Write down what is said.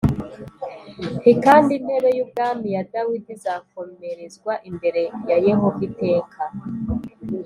H kandi intebe y ubwami ya dawidi izakomerezwa imbere yayehova iteka